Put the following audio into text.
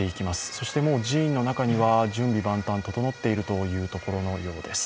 そして寺院の中には準備万端整っているというところのようです。